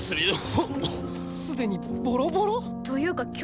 すでにボロボロ？というか今日が峠？